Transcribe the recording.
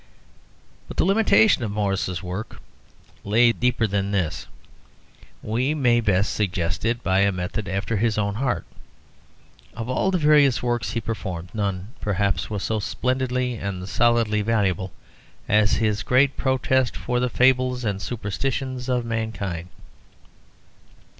But the limitation of Morris's work lay deeper than this. We may best suggest it by a method after his own heart. Of all the various works he performed, none, perhaps, was so splendidly and solidly valuable as his great protest for the fables and superstitions of mankind.